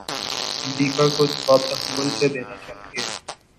امریکہ کو جواب تحمل سے دینا چاہیے۔